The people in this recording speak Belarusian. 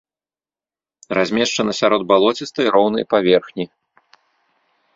Размешчана сярод балоцістай роўнай паверхні.